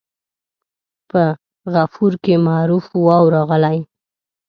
په غفور کې معروف واو راغلی.